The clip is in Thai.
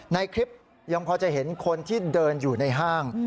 ในคลิปยังพอจะเห็นคนที่เดินอยู่ในห้าง